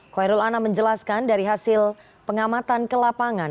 khoirul anam menjelaskan dari hasil pengamatan ke lapangan